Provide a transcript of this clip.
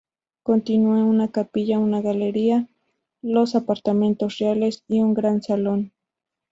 Contiene una capilla, una galería, los apartamentos reales, y un gran salón.